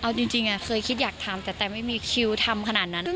เอาจริงเคยคิดอยากทำแต่แต่ไม่มีคิวทำขนาดนั้น